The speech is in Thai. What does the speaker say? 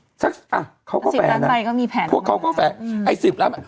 ๑๐ล้านใบก็มีแผนออกมาแล้ว